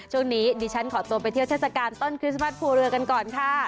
ช่วงนี้ดิฉันขอตัวไปเที่ยวเทศกาลต้นคริสต์มัสภูเรือกันก่อนค่ะ